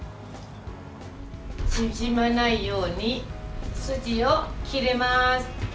縮まないように筋を切ります。